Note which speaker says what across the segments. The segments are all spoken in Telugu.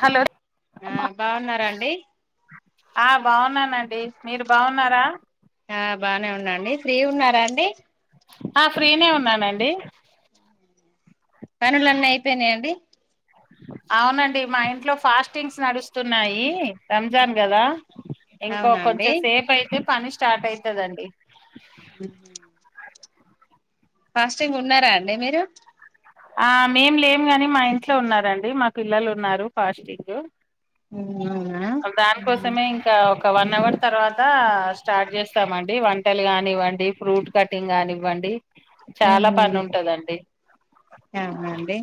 Speaker 1: హలో.
Speaker 2: ఆ బాగున్నారా అండి.
Speaker 1: ఆ బాగున్నానండి మీరు బావున్నారా.
Speaker 2: ఆ బానే ఉన్నాండి, ఫ్రీ ఉన్నారా అండి.
Speaker 1: ఆ ఫ్రీనే ఉన్నానండి.
Speaker 2: పనులన్నీ అయిపోయినాయి అండి.
Speaker 1: అవునండి మా ఇంట్లో ఫాస్టింగ్స్ నడుస్తున్నాయి, రంజాన్ గాదా. ఇంకో
Speaker 2: అవునా అండి
Speaker 1: కొంచెం సేపు అయితే. పని స్టార్ట్ అయితదండి.
Speaker 2: ఉమ్. ఫాస్టింగ్ ఉన్నారా అండి మీరు.
Speaker 1: ఆ మేం లేము గాని, మా ఇంట్లో ఉన్నారండి మా పిల్లలు ఉన్నారు ఫాస్టింగు.
Speaker 2: అవునా ఉహు
Speaker 1: దానికోసమే ఇంకా ఒక్. ఒక వన్ అవర్ తర్వాత స్టార్ట్ చేస్తామండి, వంటలు గానివ్వండి, ఫ్రూట్ కటింగ్ గానివ్వండి. చాలా పని ఉంటదండి.
Speaker 2: అవునా అండి.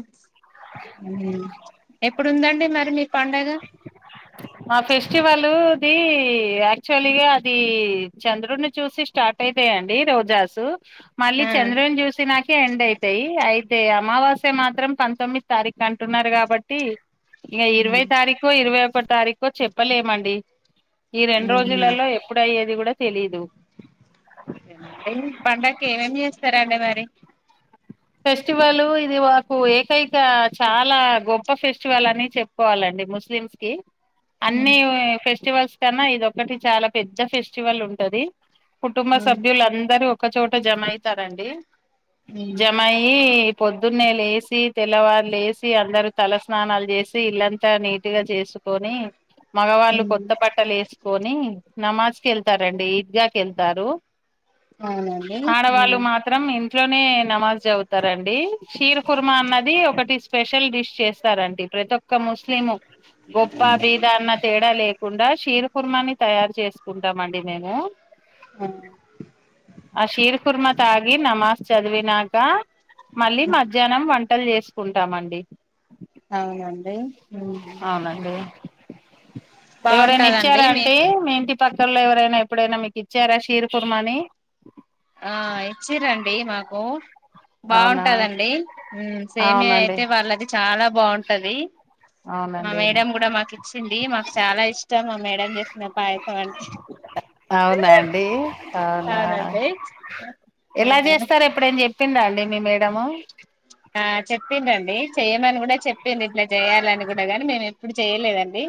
Speaker 2: ఎప్పుడుందండి మరి మీక్. పండగ.
Speaker 1: మా ఫెస్టివల్ది యాక్చువల్గా అది చంద్రుడిని చూసి స్టార్ట్ అయితాయంండి రోజాసు మళ్ళీ
Speaker 2: ఆ
Speaker 1: చంద్రని చూసి నాకు ఎండ్ అయితాయి అయితే అమావాస్య మాత్రం పంతొమ్మిది తారీఖు అంటున్నారు కాబట్టి ఇక
Speaker 2: హ
Speaker 1: ఇరవై తారీఖు ఇరవై ఒక తారీఖ చెప్పలేమండి ఈ రెండు
Speaker 2: ఉహు
Speaker 1: రోజులలో ఎప్పుడుయ్యేది కూడా [unintelligible] తెలీదు.
Speaker 2: [unintelligible] పండక్కి ఏమేం చేస్తారండి మరి.
Speaker 1: ఫెస్టివల్ ఇది మాకు, ఏకైక చాలా గొప్ప ఫెస్టివల్ అని చెప్పుకోవాలండి ముస్లిమ్స్ కి. అన్ని ఫెష్. ఫెస్టివల్స్ కన్నా ఇది ఒకటి చాలా పెద్ద ఫెస్టివల్ ఉంటది కుటుంబ సభ్యులు అందరూ ఒకక్క చోట జమ అయితారంండి
Speaker 2: అవునండి
Speaker 1: జమయి పొద్దున్నే లేసి తెల్లవారు లే వసి అందరుూ తల స్నానాలు చేసి ఇల్లంతా నీటుగా చేసుకొని మగవాళ్ళు కొత్త పట్టలు వేసి కొని నమాజ్ క వెళ్తారంండి ఈద్గాకి వెళ్తారు ఆడవాళ్ళు మాత్రం ఇ ఇట్లోనే నమాజ్ అవుతారంండి చషీర కుర్మ అన్నది ఒకటి స్పెషల్ డిష్ చేస్తారంటడి ప్రతి ఒక్క ముస్లిం గొప్ప బీద అన్న తేడలే తకుండా కషీర కుర్మాని తయారు చేసుకుంటామ అండి మేము ఆ శిర్ కుర్మత ఆగి నా మా చదివి నా కా మళ్ళీ మధ్యాహ్నం వంటలు చేసుకుంటామండి
Speaker 2: అవునండి
Speaker 1: అవునండి ఎవరైనా ఇచ్చారా అంటే మీ ఇంటి పక్కల్లో ఎవరైనా ఎప్పుడైనా మీకు ఇచ్చారా షీర కుర్మ అని
Speaker 2: ఆ ఇచిరండి మాకు
Speaker 1: అవునా
Speaker 2: బాగుంటదండి సేమియా
Speaker 1: అవునండి
Speaker 2: అయితే వాళ్ళది చాలా బాగుంటది మా
Speaker 1: అవునండి
Speaker 2: మేడం కూడా మాకు ఇచ్చింది మాకు చాలా ఇష్టం మాకు మేడం చేసిన పాయసం అంటే
Speaker 1: అవునా అండి అవునా
Speaker 2: అవునండి
Speaker 1: ఎలా చేస్తారు ఎప్పుడు అన్నా చెప్పిందా అండి మీ మేడము
Speaker 2: ఆ చెప్పిండండి అ కూడా గాని మేము ఎప్పుడు చేయలేదండి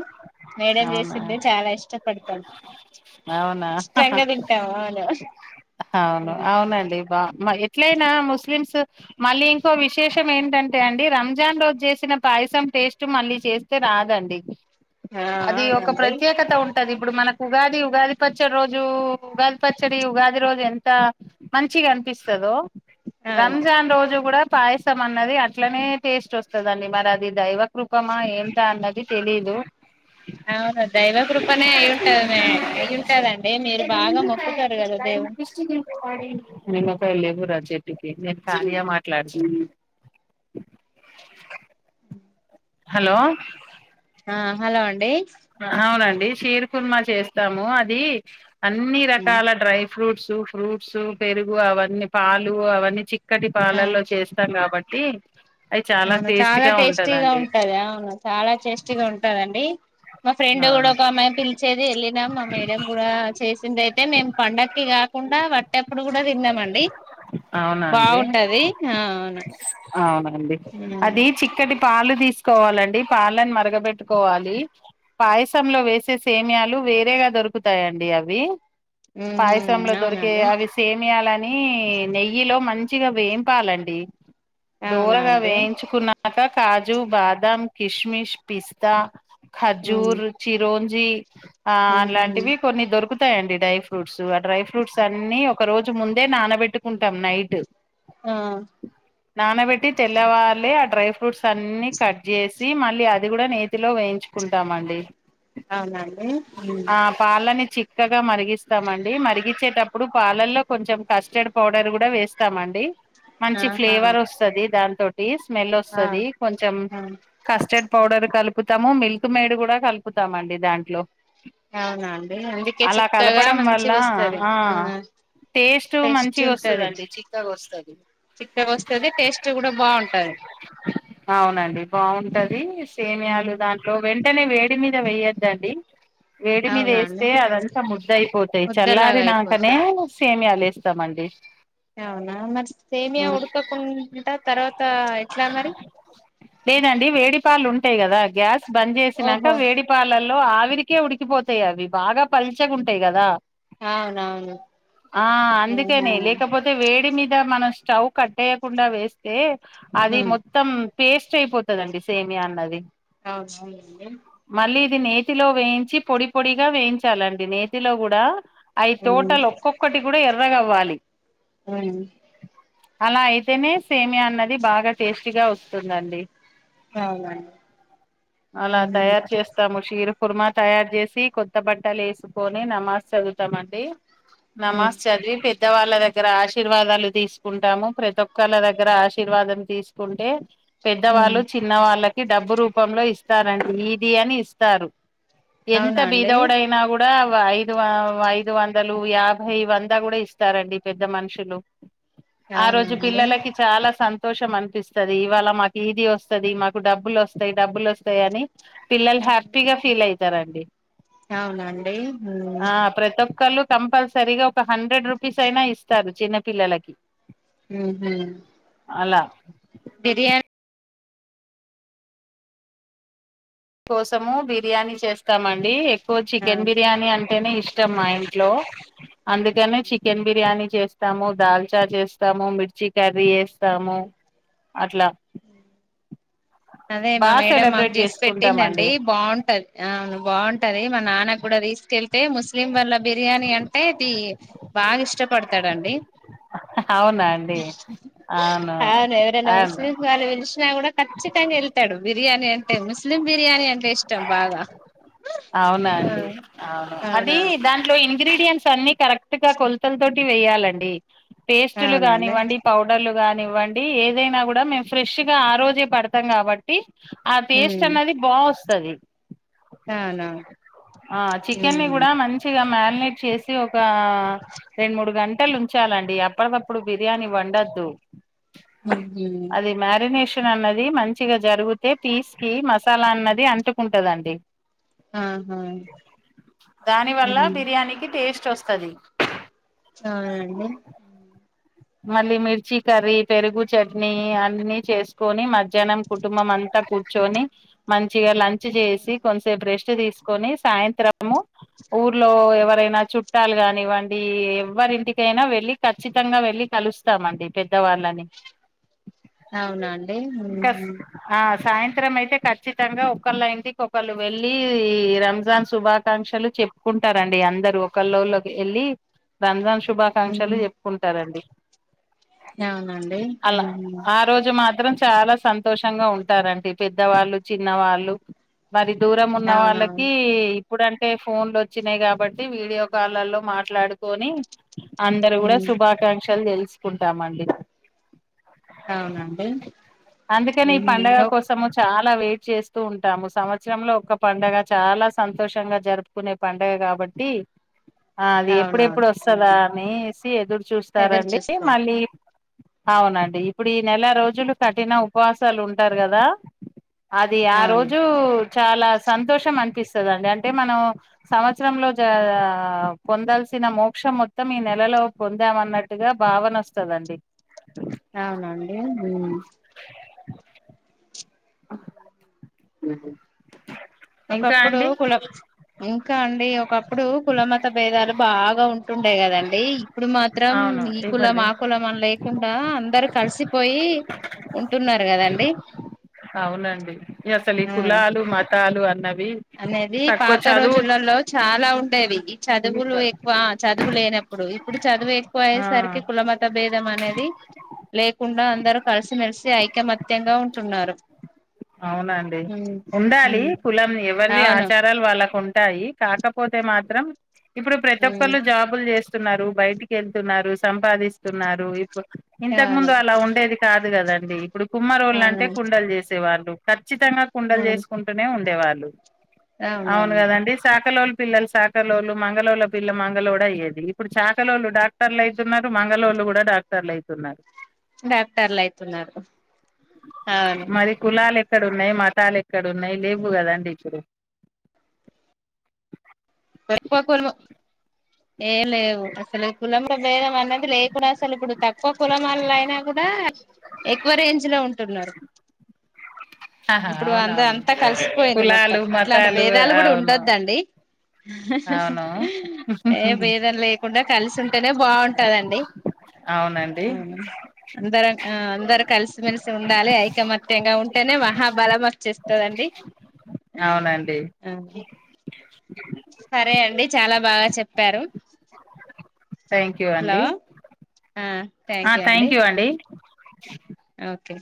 Speaker 2: మేడం
Speaker 1: అవునా
Speaker 2: చేసింటే చాలా ఇష్టపడతాం
Speaker 1: అవునా
Speaker 2: ఇష్టంగా తింటాము అవును
Speaker 1: ఎట్లనా ముస్లిమ్స్ మళ్ళీ ఇంకో విశేషం ఏంటంటే అండి రంజాన్ రోజు చేసిన పాయసం టేస్ట్ మళ్ళీ చేస్తే రాదండి
Speaker 2: ఆ
Speaker 1: అది ఒక
Speaker 2: అవునండి
Speaker 1: ప్రత్యేకత ఉంటుం ఉంటది ఇప్పుడు మనకు ఉగాది ఉగాది పచ్చడి రోజు ఉగాది పచ్చడి ఉగాది రోజు ఎంత మంచిగా అనిపిస్తుదో
Speaker 2: అవును
Speaker 1: రంజాన్ రోజు కూడా పాయసం అన్నది అట్లనే టేస్ట్ వస్తుందండి మరి అది దైవకృూపమా ఏంట అన్నది తెలీదు
Speaker 2: అవును దైవ కృపనే అయి ఉంటది మే అయి ఉంటదండి మీరు బాగా మొక్కుతారు కదా దేవు
Speaker 1: పేళ్లు గురా చెట్టుకి నేను కార్య మాట్లాడుతున హలో
Speaker 2: ఆ హలో అండి
Speaker 1: అవునండి షీర్ కుర్మా చేస్తాము అది అన్ని రకాల డ్రై ఫ్రూట్స్ ఫ్రూట్స్ పెరుగు అవన్నీ పాలు అవన్నీ చిక్కటి
Speaker 2: ఆ
Speaker 1: పాలల్లో చేస్తాం కాబట్టి ఇ
Speaker 2: అవును చాలా టేస్టీగా ఉంటది అవును చాలా టేస్టీగా ఉంటదండి మా ఫ్రెండ్ కూడా
Speaker 1: అవును
Speaker 2: ఒక అమ్మాయి పిలిచేది వెళ్ళినం మా మేడ కూడా చేసింది అయితే మేము పండకి కాకుండా వచ్చేట్టేప్పుడు కూడా తిన్నాం అండి
Speaker 1: అవునా అండి
Speaker 2: బాగుంటది ఆ అవును
Speaker 1: అండీ అది చిక్కటి పాలు తీ తీసుకోవాలండి పాలని మరగబెట్టుకోవాలి పాయసంలో వేసే సేమ్యాలు వేరేగా దొరుకుతాయిండి అవి
Speaker 2: ఉహు
Speaker 1: పాయసంలో దొరికే
Speaker 2: అవునండి
Speaker 1: అవి సేమియాల కానీ నెయ్యిలో మంచిగా వేంపాలండి
Speaker 2: అవునా
Speaker 1: దొరగా
Speaker 2: అండి
Speaker 1: వేయించుకున్నాక కాజు బాదం కిస్మిస్ పిస్తా
Speaker 2: ఉహు
Speaker 1: జోరూచి రోంచ్ జీ ఆ అలాంటివి కొన్ని దొరుకు తాయండి డ్రై ఫ్రూట్స్ ఆ డ్రై ఫ్రూట్స్ అన్ని ఒక రోజు ముందే నానబెట్టుకుంటాం నైట్
Speaker 2: ఆ
Speaker 1: నానబెట్టి తెల్లవళ్ళే ఆ డ్రై ఫ్రూట్స్ అన్ని కట్ చేసి మళ్ళీ అది కూడా నేతిలో వేయించుకుంటు తామండి
Speaker 2: అవునడి
Speaker 1: చక్కగా మరిగిస్తామండి మరిగించేటప్పుడు పాలల్లో కొంచెం కస్టర్డ్ పౌడర్ కూడా వేస్తామండి మంచి
Speaker 2: ఆహా
Speaker 1: ఫ్లేవర్ వస్తుది దానింతో స్మెల్
Speaker 2: ఆ
Speaker 1: వస్తుది కొంచెం
Speaker 2: ఆ
Speaker 1: కస్టర్డ్ పౌడర్ కలుపుతాము మిల్క్ త్తుమేడు కూడా కలుపుతామండి దాంట్లో
Speaker 2: అవునండి అందుకే
Speaker 1: అలా
Speaker 2: చిక్కగా
Speaker 1: కలపడం వల్ల
Speaker 2: మంచిగా వస్తది
Speaker 1: ఆ టేస్ట్
Speaker 2: టేస్టీ
Speaker 1: మంచిగా
Speaker 2: ఉంటది
Speaker 1: వస్తదండి చిక్కగా వస్తది
Speaker 2: చిక్కగా వస్తది టేస్ట్ కూడా బాగుంటది
Speaker 1: పిస్ సేమయాలు దా వెంటనే వేడి మీద వేయ్యొద్దండి వేడి మీద
Speaker 2: అవునా అండి
Speaker 1: వేస్తే అదంతా ముద్దయిపోతాయి
Speaker 2: ముద్దలాగా
Speaker 1: చల్లారి నాకనే
Speaker 2: అయిపోతుంది
Speaker 1: సేమియాలస్తా జమంండడి
Speaker 2: అవునా మరి సేమియా ఉడుకకుండా తర్వాత ఎట్లా మరి
Speaker 1: లేదండి వేడి పాలు ఉంటాయి కదా గ్యాస్ బంద్ చేసినంక
Speaker 2: ఓహో
Speaker 1: వేడిపాల లో ఆవిరికే ఉడికిపోతాయి అవి బాగా పల్చగా ఉంటాయి కదా
Speaker 2: అవునవును
Speaker 1: ఆ
Speaker 2: ఆహా
Speaker 1: అందుకెని లేకపోతే వేడి మీ డ మనం స్టవ్ కట్టేయకుండా వేస్తే అది
Speaker 2: ఉమ్
Speaker 1: మొత్తం పేస్ట్ అయిపోతదండి సేమియా అన్నది
Speaker 2: అవునా అవునండి
Speaker 1: మళ్ళీ ఇది నేతిలో వేయించి పొడి పొడిగా వేయించాలండి నేతిలో కూడా అయి
Speaker 2: ఉమ్
Speaker 1: టోటల్ ఒక్కొక్కటి కూడా ఎర ర్రగ అవ్వాలి
Speaker 2: ఉమ్
Speaker 1: అలా అయితేనే సేమ్యా అన్నది బాగా టేస్టీగా వస్తుందండి
Speaker 2: అవునండి
Speaker 1: అలా
Speaker 2: ఉమ్
Speaker 1: తయారు చేస్తాము షీరు కుర్మా తయారు చేసి కొత్త బట్టలు వేసుకొని నమాజ్ చదువుతామండి
Speaker 2: ఉమ్
Speaker 1: నమస్ చదివి పె పెద్ద వాళ్ళ దగ్గర ఆశీర్వాదాలు తీసుకుంటాము ప్రతి ఒక్కళ్ళ దగ్గర ఆశీర్వాదం తీసుకుంటే
Speaker 2: ఉమ్
Speaker 1: పెద్దవాళ్ళు చిన్న వాళ్ళకి డబ్బు రూ పంలో ఇస్ స్తారండి ఈది అని ఇస్తారు ఎంత
Speaker 2: అవునా అండి
Speaker 1: బీధోడైనా కూడా ఐదువ ఐదు వందలు యాభై వంద కూడా ఇస్తారండి పెద్ద మనుషులు ఆ
Speaker 2: అవునా
Speaker 1: రోజు
Speaker 2: అండి
Speaker 1: పిల్లలకి చాలా సం సంతోషం అనిపిస్తది. ఇవాళ మాకు ఈది వస్తది మాకు డబ్బులు వస్తాయి డబ్బులు వ స్తయని పిల్లల్ హ్యాపీగా ఫీలయి స్తరండి
Speaker 2: అవునండి ఉమ్
Speaker 1: క్కలు కంపల్సరిగా ఒక హండ్రెడ్ రూపీస్ అయినా ఇస్తారు చిన్నపిల్లలకి
Speaker 2: మ్ హ్
Speaker 1: అలా
Speaker 2: బిర్యాన్
Speaker 1: కోసము బిర్యానీ చేస్తామండి. సో చికెన్
Speaker 2: అవును
Speaker 1: బిర్యానీ అంటేనే ఇష్టం మా ఇంట్లో అందుకనే చికెన్ బిర్యానీ చేస్తాము. దాల్చా చేస్తాము. మిర్చి కర్రీ చేస్తాము అట్లా
Speaker 2: అదే మా
Speaker 1: బాగా
Speaker 2: మేడం మాకు
Speaker 1: సెలబ్రేట్
Speaker 2: చేసి పెట్టిందండి
Speaker 1: చేసుకుంటామండి
Speaker 2: బాగుంటది ఆ బాగుంటది మా నాన్నకు కూడా తీసుకెళ్ అంటే ముస్లిం వాళ్ళ బిర్యానీ అంటే ది బాగా ఇష్టపడతాడండి
Speaker 1: అవునా అండి
Speaker 2: హ అవును ఎవరైనా
Speaker 1: అవును
Speaker 2: ముస్లిం వాళ్ళు పిలిచినా కూడా కచ్చితంగా వెళ్తాడు బిర్యానీ అంటే ముస్ ముస్లిం బిర్యాణి అంటే ఇష్టం బాగా
Speaker 1: అవునా అండి అవును అది
Speaker 2: అవునా
Speaker 1: దాంట్లో ఇంగ్రీడియంట్స్ అన్ని కరెక్ట్ గా కొలతల తోటి వేయాలండి పేస్టులు
Speaker 2: అవునండి
Speaker 1: గానివండి పౌడర్లు గానివ్వండి ఏదైనా కూడా మేము ఫ్రెష్ గా ఆ రోజే పడతాం కాబట్టి ఆ పేస్ట్
Speaker 2: ఉమ్
Speaker 1: అన్నది సరే
Speaker 2: అవునా
Speaker 1: ఆ చికెన్ ని
Speaker 2: ఉమ్
Speaker 1: కూడా మంచిగా మార్ మాగ్నెట్ చేసి ఒక రెండు మూడు గంటలు ఉంచాలండి అప్పటికప్పుడు బిర్యానీ వండద్దు
Speaker 2: ఊహూ
Speaker 1: అది మ్యారినేషన్ అన్నది మంచిగా జరిగుతే పీస్ కి మ లన్నది అంటుకుంటదండి
Speaker 2: ఆహా
Speaker 1: దాని వల్ల
Speaker 2: ఉమ్
Speaker 1: బిర్యానీకి టేస్ట్ వస్తది
Speaker 2: చాల్ అండి
Speaker 1: మళ్ళీ మిర్చి కర్రీ పెరుగు చట్నీ అన్ని చేసుకొని మధ్యాహ్నం కుటుంబం అంతా కూర్చొని మంచిగా లంచ్ చ్ చేసి కొన్సెప్ రెస్ట్ చ తీసుకొని సాయంత్రము ఊర్లో ఎవరైనా చుట్టాలు కానివ్వండి ఎవరింటికైనా వెళ్ళి ఖచ్చితంగా వెళ్ళి కలుస్తామండి పెద్దవాళ్ళని
Speaker 2: అవునాను
Speaker 1: ఇంకస్ ఆ సాయంత రం అయితే ఖచ్చితంగా ఒకళ్ళ ఇంటికి ఒకళ్ళు వెళ్ళి రంజాన్ శుభాకాంక్షలు చెప్పుకుంటారండి అందరు ఒకలొళకి వెళ్ళి రంజాన్ శుభాకాంక్షలు
Speaker 2: ఉమ్
Speaker 1: చెప్పుకుంటారండి
Speaker 2: అవునండి
Speaker 1: అలా
Speaker 2: హ్మ్ హ్మ్
Speaker 1: ఆ రోజు మాత్రం చాలా సంతోషంగా ఉంటారండి పెద్దవాళ్ళు చిన్న వాళ్ళు మరి దూరం ఉన్న
Speaker 2: అవునవును
Speaker 1: వాళ్ళకి ఇప్పుడంటే ఫోన్లు వచ్చినాయి కాబట్టి వీడియో కాలల్లో మాట్లాడుకొని అందరు కూడా
Speaker 2: ఉమ్
Speaker 1: శుభాకాంక్షలు తెలుస్ తీసుకుంటామండి
Speaker 2: అవునండి
Speaker 1: అందుకని ఈ
Speaker 2: ఉహు
Speaker 1: పంండగ
Speaker 2: ఓ
Speaker 1: కోసము చాల్ అ వెయిట్ చేస్తూ ఉంటాము సంవత్సరంలో ఒక పండగ చాలా సంతోషంగా జరుపుకునే పండగ కాబట్టి ఆ అది ఎప్పుడెప్పుడు
Speaker 2: అవునవును
Speaker 1: వస్తందా
Speaker 2: ఉమ్
Speaker 1: అనేసి ఎదురు
Speaker 2: ఎదురు
Speaker 1: చూస్తారండి
Speaker 2: చూస్తారు
Speaker 1: మళ్ళీ అవునండి ఇప్పుడు ఈ నెల రోజులు కఠిన ఉపవాసాలు ఉంటారు కదా అది ఆ
Speaker 2: అవును
Speaker 1: రోజు చాలా సంతోషం అనిపిస్తుందండి అంటే మనం సంవత్సరంలో జ పొందాల్సిన మోక్షం మొత్తం ఈ నెలలో పొందామన్నట్టుగా భావన వస్తదండి
Speaker 2: అవునండి హ్మ్
Speaker 1: హ్మ్ హు
Speaker 2: ఒకప్పుడు కుల ఇంకా అండి ఒకప్పుడు కుల మత భేదాలు బాగా ఉంటుండే కదండి ఇప్పుడు మాత్రం
Speaker 1: అవును
Speaker 2: ఈ కులం
Speaker 1: ఇవ్వరిది
Speaker 2: ఆ కులం అని లేకుండా అందరు కలిసిపోయి ఉంటున్నారు కదండి
Speaker 1: అవునండి అసలు ఈ
Speaker 2: ఆ
Speaker 1: కులాలు మత చాలు అన్న
Speaker 2: అనేది పాత రోజులలో చాలా ఉండేవి ఈ చదువులు ఎక్కువ చదువు లేనప్పుడు ఇప్పుడు చదువు ఎక్కువ
Speaker 1: ఆ
Speaker 2: అయేసరికి కుల మత భేదం అనేది లేకుండా అందరు కలిసిమెలిసి ఐకమత్యంగా ఉంటున్నారు
Speaker 1: అవునండి
Speaker 2: ఉమ్
Speaker 1: ఉండాలి కులం ఎవరిది
Speaker 2: అవును
Speaker 1: ఆచారాలు వాళ్ళకు ఉం ఉంటాయి కాకపోతే మాత్రం ఇప్పుడు ప్రతి
Speaker 2: ఉమ్
Speaker 1: ఒక్కళ్ళ జాబులు చేస్ స్తున్నారు బయటికి వెళ్తున్నారు సంపాదిస్తున్నారు ఇప్పుడు ఇంతకు
Speaker 2: అవును
Speaker 1: ముందు అలా ఉండేది కాద్ కదండి ఇప్పుడు కుమ్మరోళ్లంటే
Speaker 2: అవును
Speaker 1: అంటే కుండలు చేస్ సేవాళ్లు తత్ చ్చితంగా కుండలు
Speaker 2: అవును
Speaker 1: చేసుకుంటూనే ఉం డేవాళ్లు అవును
Speaker 2: అవునవును
Speaker 1: కదండి సా సకాలోల పిల్లలు సకాలోలు మంగలోళ్ళ పిల్ల మంగళోడు అయ్యేది ఇప్పుడు చాకలోళ్ళు డాక్టర్లు అయితున్నారు మంగలోళ్ళు కూడా డాక్టర్లు అయితున్నారు
Speaker 2: డాక్టర్లు అయితున్నారు అవును
Speaker 1: లాలు ఎక్కడున్నాయ్ మతాలు ఎ క్కడున్నాయయ్ లేవ్వు కదండి ఇప్పుడు
Speaker 2: తక్కువ కులం ఏ లేవు అసలు కులము భేదం అన్నది లేకుండా అసలు ఇప్పుడు తక్కువ కులమోలు అయినా కూడా ఎక్కువ రేంజ్ లో ఉంటున్నారు
Speaker 1: ఆహా
Speaker 2: ఇప్పుడు అంద
Speaker 1: అవునవును
Speaker 2: అంతా కలిసిపోయింది మొత్తం
Speaker 1: కులాలు
Speaker 2: అట్లాంటి
Speaker 1: మతాలు
Speaker 2: భేదాలు కూడా
Speaker 1: అవును
Speaker 2: ఉండొద్దండి
Speaker 1: అవును
Speaker 2: ఏ భేదం లేకుండా కలిసి ఉంటేనే బాన్ టదండి
Speaker 1: అవునండి
Speaker 2: అందరం ఆ అందరు కలిసిమెలిసి ఉండాలి ఐకమత్యంగా ఉంటేనే మహాబలం వచ్చేస్తాదండి
Speaker 1: అవునండి
Speaker 2: హ ఆ సరే అండి చాలా బాగా చెప్పారు
Speaker 1: థ్యాంక్యూ
Speaker 2: హలో
Speaker 1: అండి
Speaker 2: ఆ
Speaker 1: ఆ
Speaker 2: థ్యాంక్ యూ
Speaker 1: థ్యాంక్యూ అండి
Speaker 2: ఓకే